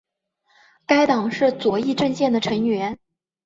该党是左翼阵线的成员。